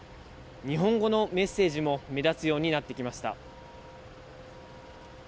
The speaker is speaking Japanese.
日本語のメッセージも目立つようになってきました。